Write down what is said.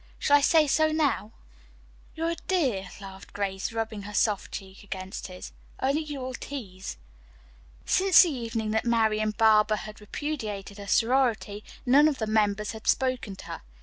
"Shall I say so, now?" "You're a dear," laughed Grace, rubbing her soft cheek against his. "Only you will tease." Since the evening that Marian Barber had repudiated her sorority, none of the members had spoken to her.